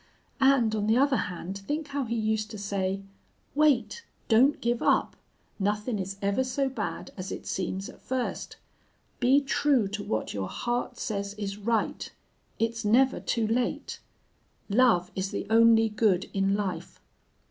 And, on the other hand, think how he used to say: 'Wait! Don't give up! Nothin' is ever so bad as it seems at first! Be true to what your heart says is right! It's never too late! Love is the only good in life!